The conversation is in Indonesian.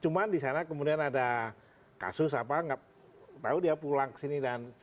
cuma disana kemudian ada kasus apa nggak tau dia pulang kesini